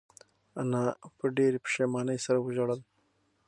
انا په ډېرې پښېمانۍ سره وژړل.